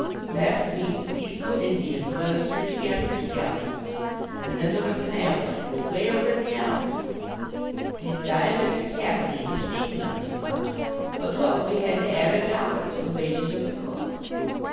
Last week the peaceful Indians went a searching after scalps, And then there was an avalanche 'way over in the Alps; These diametric happenings seem nothing much, but look We had to add a dollar to the wages of the cook.